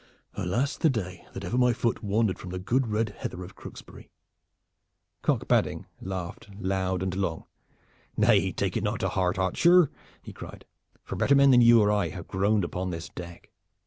Alas the day that ever my foot wandered from the good red heather of Crooksbury!" Cock Badding laughed loud and long. "Nay, take it not to heart, archer," he cried; "for better men than you or I have groaned upon this deck.